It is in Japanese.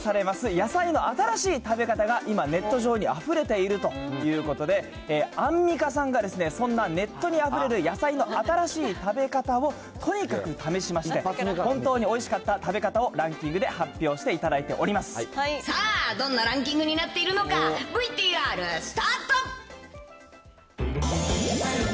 野菜の新しい食べ方が今、ネット上にあふれているということで、アンミカさんがそんなネットにあふれる野菜の新しい食べ方を、とにかく試しまして、本当においしかった食べ方をランキングで発表していただいておりさあ、どんなランキングになっているのか、ＶＴＲスタート。